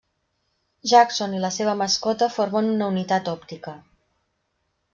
Jackson i la seva mascota formen una unitat òptica.